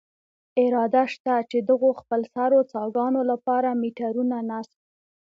اراده شته، چې دغو خپلسرو څاګانو له پاره میټرونه نصب.